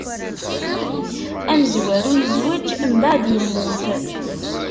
Amezwaru izweǧ, mbeɛd yemmut.